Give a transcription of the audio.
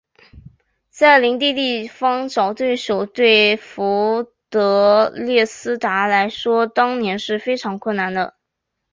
在邻近地方找对手对费德列斯达来说当年是十分困难的。